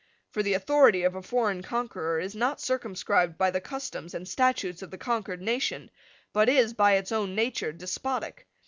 For the authority of a foreign conqueror is not circumscribed by the customs and statutes of the conquered nation, but is, by its own nature, despotic.